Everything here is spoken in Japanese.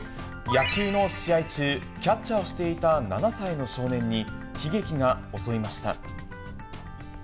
野球の試合中、キャッチャーをしていた７歳の少年に、悲劇が襲いました。